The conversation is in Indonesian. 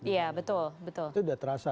itu sudah terasa